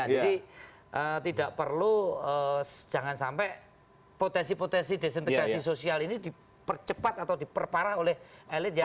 jadi tidak perlu jangan sampai potensi potensi desintegrasi sosial ini dipercepat atau diperparah oleh elit yang